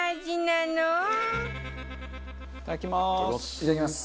いただきます。